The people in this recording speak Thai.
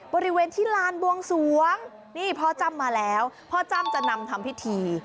บริเวณที่ลานบวงสวงนี่พ่อจ้ำมาแล้วพ่อจ้ำจะนำทำพิธี